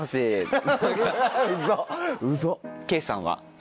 圭さんは？